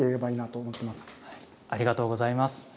ありがとうございます。